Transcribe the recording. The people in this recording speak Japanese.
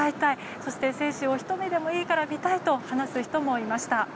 そして選手をひと目でもいいから見たいと話す人もいました。